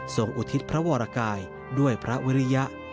อุทิศพระวรกายด้วยพระวิริยะ